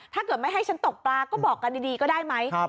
ถ้าเกิดไม่ให้ฉันตกปลาก็บอกกันดีก็ได้ไหม